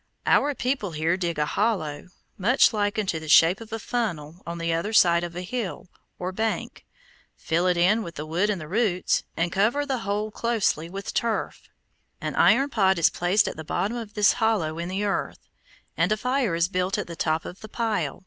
Our people here dig a hollow, much like unto the shape of a funnel, on the side of a hill, or bank, fill it in with the wood and the roots, and cover the whole closely with turf. An iron pot is placed at the bottom of this hollow in the earth, and a fire is built at the top of the pile.